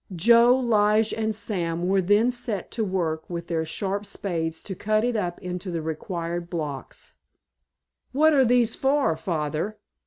Joe, Lige, and Sam were then set to work with their sharp spades to cut it up into the required blocks. "What are these for, Father?"